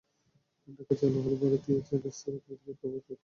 ঢাকায় চালু হলো ভারতীয় চেইন রেস্তোরাঁ দ্য গ্রেট কাবাব ফ্যাক্টরির প্রথম শাখা।